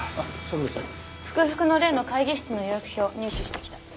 福々の例の会議室の予約表入手してきた。